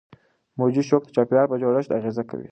موجي شوک د چاپیریال په جوړښت اغېزه کوي.